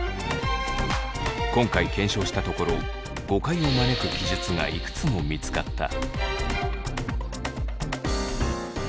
今回検証したところ誤解を招く記述がいくつも見つかった。